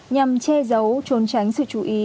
nhằm che giấu trốn tránh sự chú ý